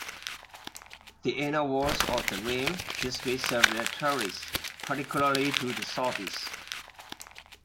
The inner walls of the rim display several terraces, particularly to the southeast.